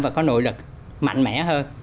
và có nội lực mạnh mẽ hơn